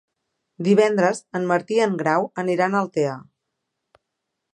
Divendres en Martí i en Grau aniran a Altea.